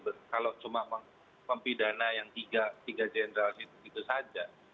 mengambil pembidana yang tiga jenderal itu saja